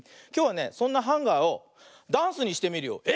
きょうはねそんなハンガーをダンスにしてみるよ。